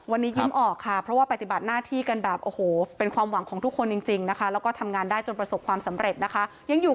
วันนี้ยิ้มออกค่ะเพราะว่าปฏิบัติหน้าที่กันแบบโอ้โหเป็นความหวังของทุกคนจริงนะคะแล้วก็ทำงานได้จนประสบความสำเร็จนะคะยังอยู่